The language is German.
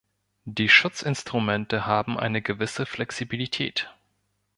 Die Schutzinstrumente haben eine gewisse Flexibilität.